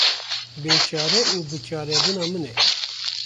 Bêçare û biçarebûna min e.